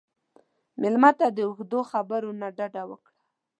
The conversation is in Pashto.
مېلمه ته د اوږدو خبرو نه ډډه وکړه.